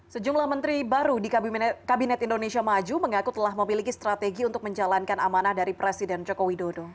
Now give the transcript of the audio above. sejumlah menteri baru di kabinet indonesia maju mengaku telah memiliki strategi untuk menjalankan amanah dari presiden joko widodo